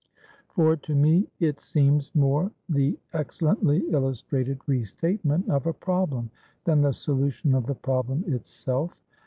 For to me it seems more the excellently illustrated re statement of a problem, than the solution of the problem itself.